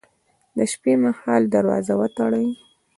د شپې مهال دروازه وتړئ